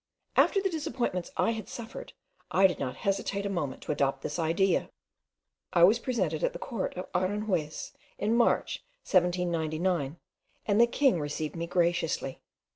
After the disappointments I had suffered, I did not hesitate a moment to adopt this idea. I was presented at the court of Aranjuez in March 1799 and the king received me graciously.